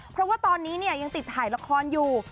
เพราะว่าตอนนี้เนี่ยยังติดถ่ายละครอยู่